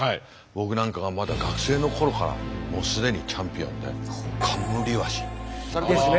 僕なんかがまだ学生の頃からもう既にチャンピオンでそうですね。